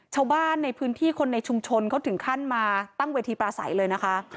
ชาวบ้านในพื้นที่คนในชุมชนเขาถึงขั้นมาตั้งเวทีปราศัยเลยนะคะ